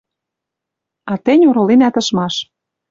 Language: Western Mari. А тӹнь ороленӓт ышмаш.